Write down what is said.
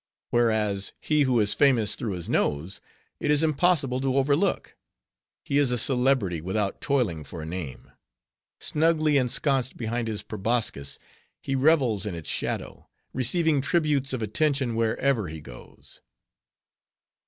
Whereas, he who is famous through his nose, it is impossible to overlook. He is a celebrity without toiling for a name. Snugly ensconced behind his proboscis, he revels in its shadow, receiving tributes of attention wherever he goes.